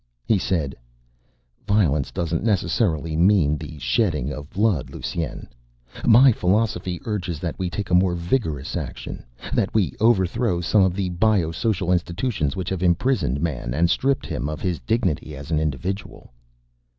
He said, "Violence doesn't necessarily mean the shedding of blood, Lusine. My philosophy urges that we take a more vigorous action, that we overthrow some of the bio social institutions which have imprisoned Man and stripped him of his dignity as an individual."